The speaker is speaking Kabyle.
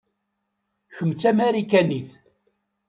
Kemm d tamarikanit.